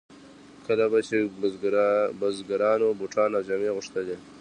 کله به چې بزګرانو بوټان او جامې غوښتلې.